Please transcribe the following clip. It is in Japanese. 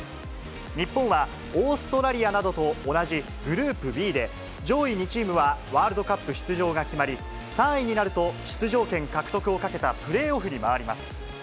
日本はオーストラリアなどと同じグループＢで、上位２チームはワールドカップ出場が決まり、３位になると出場権獲得をかけたプレーオフに回ります。